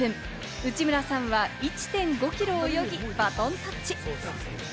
内村さんは１．５キロを泳ぎバトンタッチ。